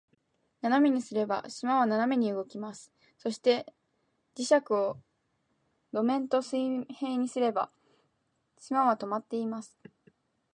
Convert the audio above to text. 斜めにすれば、島は斜めに動きます。そして、磁石を土面と水平にすれば、島は停まっています。